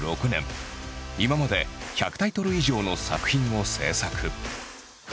今まで１００タイトル以上の作品を制作。